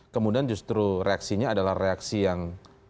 kemudian justru reaksinya adalah reaksi yang